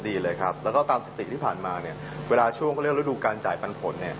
ดีเลยครับแล้วก็ตามสถิติที่ผ่านมาเวลาช่วงเรื่องรูดูการจ่ายปันผล